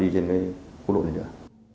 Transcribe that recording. đi trên các quốc lộ này nữa